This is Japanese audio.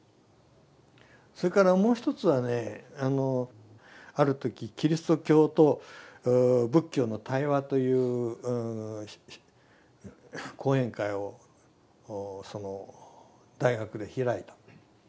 それからもう一つはねあのある時「キリスト教と仏教の対話」という講演会をその大学で開いた。